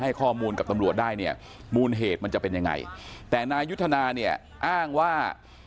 ข้อมูลกับตำรวจได้เนี่ยมูลเหตุมันจะเป็นยังไงแต่นายยุทธนาเนี่ยอ้างว่า